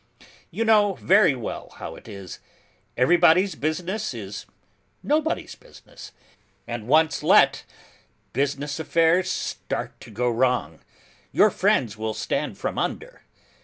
You know very well how it is; everybody's business is nobody's business, and once let business affairs start to go wrong, your friends will stand from under!